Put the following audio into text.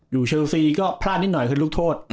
อยู่เชอร์ซีก็พลาดนิดหน่อยคือลูกโทษ